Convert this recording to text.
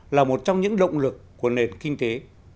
là một trong những động lực của nền kinh tế